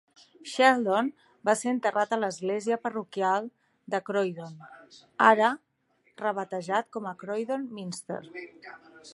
Sheldon va ser enterrat a l'església parroquial de Croydon, ara rebatejada com a Croydon Minster.